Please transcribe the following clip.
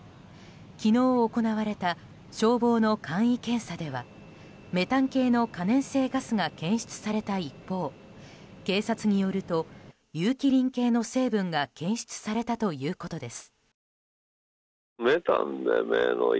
昨日、行われた消防の簡易検査ではメタン系の可燃性ガスが検出された一方警察によると有機リン系の成分が検出されたということです。